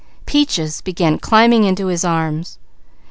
Peaches began climbing into his arms.